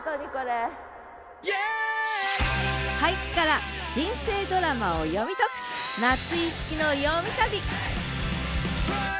俳句から人生ドラマを読み解く「夏井いつきのよみ旅！」